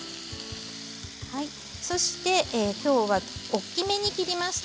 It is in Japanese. そして、きょうは大きめに切ります。